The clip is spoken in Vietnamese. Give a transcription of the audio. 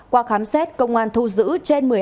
qua khám xét công an thu giữ trên một mươi hai